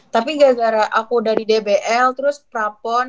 tapi gara gara aku udah di dbl terus prapon